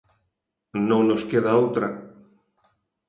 Non nos queda outra.